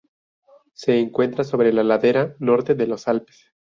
Se encuentra sobre la ladera norte de los Alpes.